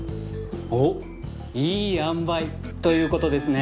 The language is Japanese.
おっいい塩梅ということですね？